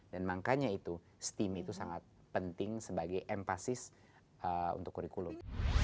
dan makanya itu steam itu sangat penting sebagai empasis untuk kurikulum